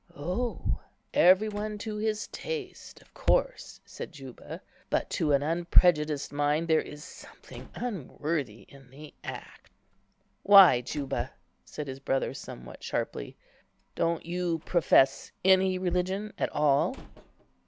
"O, every one to his taste, of course," said Juba; "but to an unprejudiced mind there is something unworthy in the act." "Why, Juba?" said his brother somewhat sharply; "don't you profess any religion at all?"